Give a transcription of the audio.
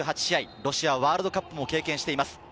ロシアワールドカップも経験しています。